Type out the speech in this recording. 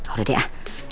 udah deh ah